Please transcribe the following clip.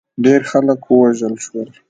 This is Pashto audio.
ډېر خلک ووژل شول.